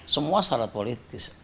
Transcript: semua syarat politis